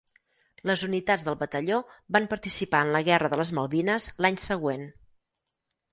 Les unitats del batalló van participar en la guerra de les Malvines l'any següent.